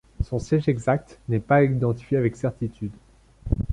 Son siège exact n'est pas identifié avec certitude.